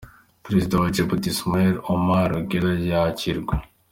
Perezida wa Djibuti Ismaïl Omar Guelleh yakirwa .